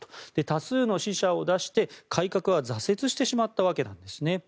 多数の死者を出して、改革は挫折してしまったわけですね。